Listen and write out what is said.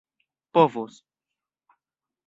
povos